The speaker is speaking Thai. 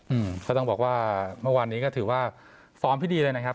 อืมก็ต้องบอกว่าเมื่อวานนี้ก็ถือว่าฟอร์มที่ดีเลยนะครับ